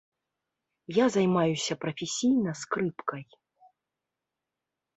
Я займаюся прафесійна скрыпкай.